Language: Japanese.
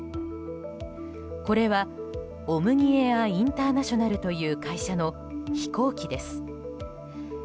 これはオムニ・エア・インターナショナルという会社の飛行機です。